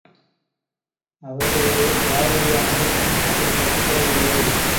அவர்களிலே யாருடைய அன்புக்கும் அது கட்டுப்படவில்லை.